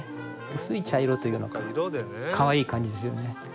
薄い茶色というのかかわいい感じですよね。